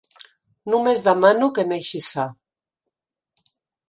Només demano que neixi sa.